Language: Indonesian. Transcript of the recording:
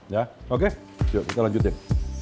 ya oke yuk kita lanjutin